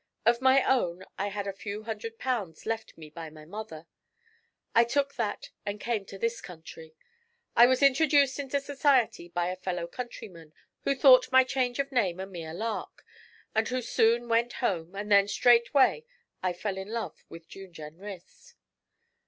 Of my own I had a few hundred pounds left me by my mother. I took that and came to this country. I was introduced into society by a fellow countryman, who thought my change of name a mere lark, and who soon went home, and then straightway I fell in love with June Jenrys.'